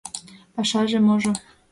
— Пашаже-можо...